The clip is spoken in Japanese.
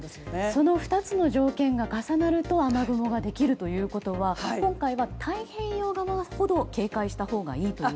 その２つの条件が重なると雨雲ができるということは今回は太平洋側ほど警戒したほうがいいと？